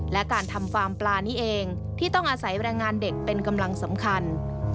และการทำฟาร์มปลานี้เองที่ต้องอาศัยแรงงานเด็กเป็นกำลังสำคัญ